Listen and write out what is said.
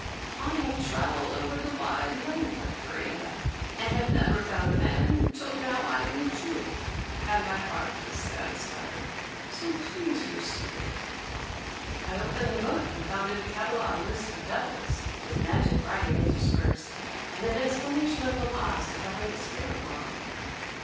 I have travelled over the wide length of Korea, and have never found the man till now I meet you, and my heart is satisfied, so please receive it.' "I opened the book and found it a catalogue list of devils, with magic writing interspersed, and an explanation of the laws that govern the spirit world.